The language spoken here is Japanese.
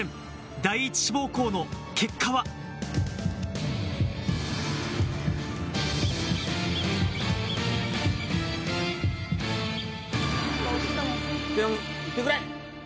第一志望校の結果は？いってくれ！